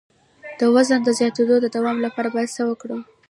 د وزن د زیاتیدو د دوام لپاره باید څه وکړم؟